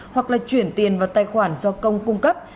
hoặc là chuyển tiền vào tài khoản do công cung cấp